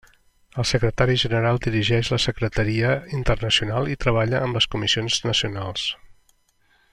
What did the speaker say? El Secretari General dirigeix la Secretaria Internacional i treballa amb les comissions nacionals.